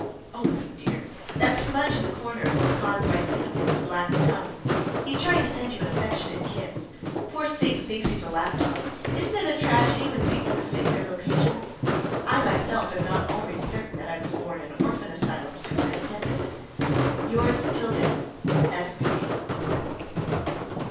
Oh, my dear! that smudge in the corner was caused by Singapore's black tongue. He is trying to send you an affectionate kiss. Poor Sing thinks he's a lap dog isn't it a tragedy when people mistake their vocations? I myself am not always certain that I was born an orphan asylum superintendent. Yours, til deth, S. McB.